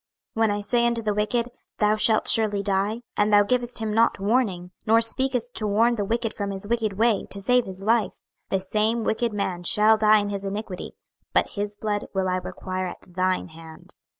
26:003:018 When I say unto the wicked, Thou shalt surely die; and thou givest him not warning, nor speakest to warn the wicked from his wicked way, to save his life; the same wicked man shall die in his iniquity; but his blood will I require at thine hand.